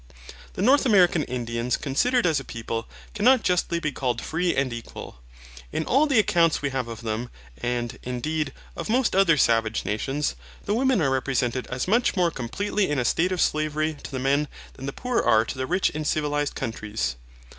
The North American Indians, considered as a people, cannot justly be called free and equal. In all the accounts we have of them, and, indeed, of most other savage nations, the women are represented as much more completely in a state of slavery to the men than the poor are to the rich in civilized countries.